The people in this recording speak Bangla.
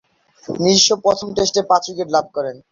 নিজস্ব প্রথম টেস্টে পাঁচ উইকেট লাভ করেন।